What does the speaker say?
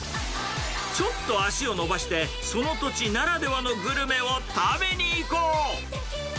ちょっと足を伸ばして、その土地ならではのグルメを食べに行こう。